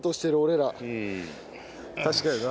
確かにな。